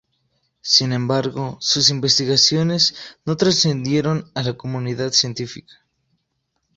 Sin embargo sus investigaciones no trascendieron a la comunidad científica.